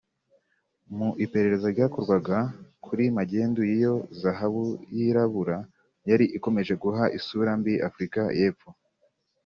Mu iperereza ryakorwaga kuri magendu y’iyo “zahabu yirabura”yari ikomeje guha isura mbi Afurika y’Epfo